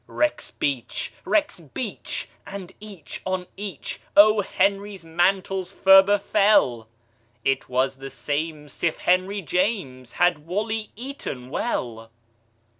Rexbeach! rexbeach! and each on each O. Henry's mantles ferber fell. It was the same'sif henryjames Had wally eaton well.